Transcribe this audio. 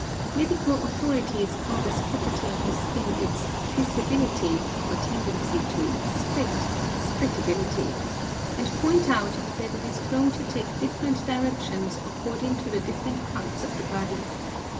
Medical authorities call this property of the skin its "fissibility ' or tendency to "split" (splitability) ; and point out that it 1s prone to take different directions according to the different parts of the _ body.